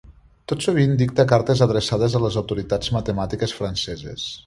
Tot sovint dicta cartes adreçades a les autoritats matemàtiques franceses.